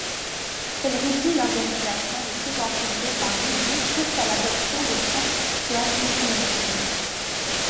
Elle régit l'organisation des pouvoirs publics en Libye jusqu'à l'adoption d'une constitution définitive.